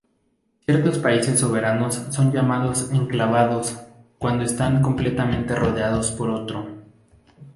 Ciertos países soberanos son llamados enclavados cuando están completamente rodeados por otro.